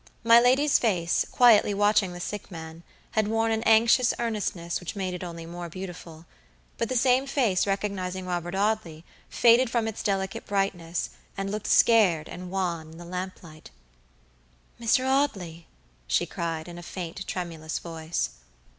My lady's face, quietly watching the sick man, had worn an anxious earnestness which made it only more beautiful; but the same face recognizing Robert Audley, faded from its delicate brightness, and looked scared and wan in the lamplight. "Mr. Audley!" she cried, in a faint, tremulous voice.